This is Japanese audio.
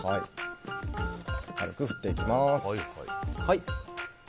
軽く振っていきます。